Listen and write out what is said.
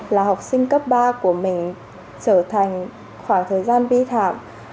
là học sinh cấp ba của mình trở thành khoảng thời gian bi thảm